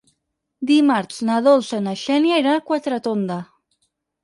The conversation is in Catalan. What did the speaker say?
Dimarts na Dolça i na Xènia iran a Quatretonda.